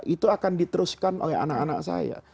itu akan diteruskan oleh anak anak saya